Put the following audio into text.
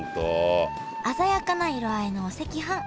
鮮やかな色合いのお赤飯。